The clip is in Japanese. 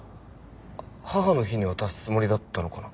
母の日に渡すつもりだったのかな？